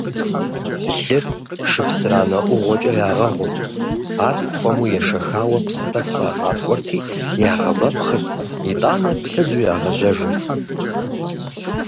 Лыр шыпсыранэ ӏугъуэкӏэ ягъэгъурт, ар хуэму ешэхауэ псы тӏэкӏу щӏагъаткӏуэрти ягъэвэпхъырт, итӏанэ плъыжьу ягъэжьэжырт.